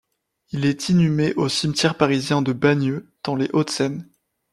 Il est inhumé au cimetière parisien de Bagneux, dans les Hauts-de-Seine.